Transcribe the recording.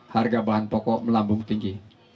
harga bahan pokok melambung tinggi